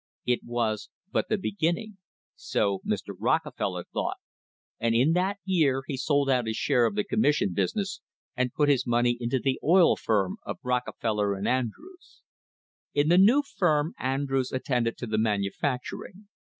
It was but the beginning — so Mr. Rockefeller thought — and in that year he sold out. his share~aL the commission business and put his money into the oil firm of Rockefeller and Andrews. In the new firm Andrews attended to the manufacturing.